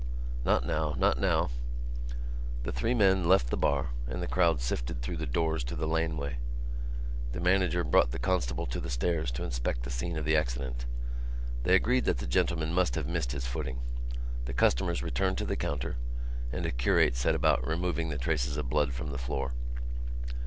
"Not now. Not now." The three men left the bar and the crowd sifted through the doors into the laneway. The manager brought the constable to the stairs to inspect the scene of the accident. They agreed that the gentleman must have missed his footing. The customers returned to the counter and a curate set about removing the traces of blood from the floor.